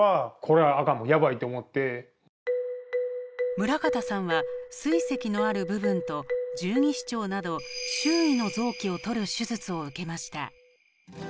村方さんはすい石のある部分と十二指腸など周囲の臓器を取る手術を受けました。